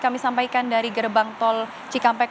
kami sampaikan dari gerbang tol cikampek